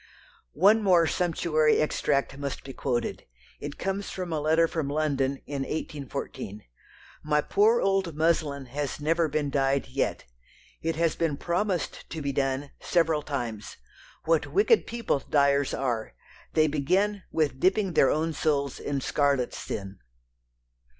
One more sumptuary extract must be quoted; it comes from a letter from London in 1814: "My poor old muslin has never been dyed yet. It has been promised to be done several times. What wicked people dyers are. They begin with dipping their own souls in scarlet sin."